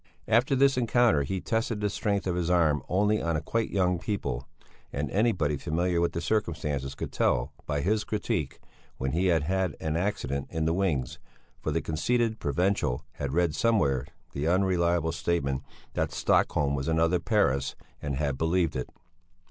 After this encounter he tested the strength of his arm only on quite young people; and anybody familiar with the circumstances could tell by his critique when he had had an accident in the wings, for the conceited provincial had read somewhere the unreliable statement that Stockholm was another Paris, and had believed it.